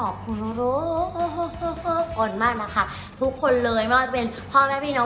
กรรมากนะคะทุกคนเลยไม่ว่าจะเป็นพ่อแม่พี่หนู